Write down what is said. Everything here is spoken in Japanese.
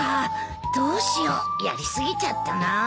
どうしようやり過ぎちゃったな。